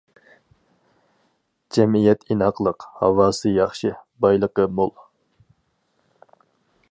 جەمئىيەت ئىناقلىق، ھاۋاسى ياخشى، بايلىقى مول.